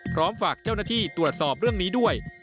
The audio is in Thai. พร้อมฝากเจ้าหน้าที่ตรวจสอบเรื่องนี้ด้วย